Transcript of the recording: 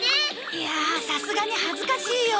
いやあさすがに恥ずかしいよ。